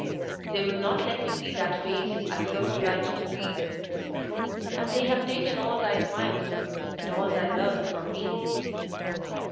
They will not let me see that face I so delight to see; And they have taken all thy smiles, And all thy love from me.